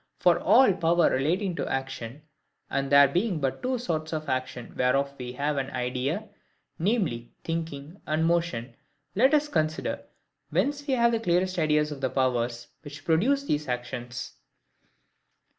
For all power relating to action, and there being but two sorts of action whereof we have an idea, viz. thinking and motion, let us consider whence we have the clearest ideas of the powers which produce these actions.